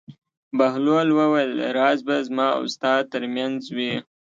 بهلول وویل: راز به زما او ستا تر منځ وي.